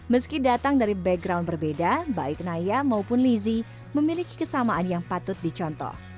meski datang dari background berbeda baik naya maupun lizzie memiliki kesamaan yang patut dicontoh